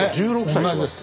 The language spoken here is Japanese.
同じです。